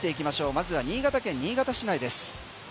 まずは新潟県新潟市内です。